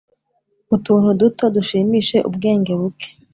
utuntu duto dushimishe ubwenge buke